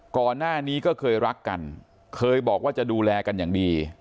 ก่อนหน้านี้ก็เคยรักกันเคยบอกว่าจะดูแลกันอย่างดี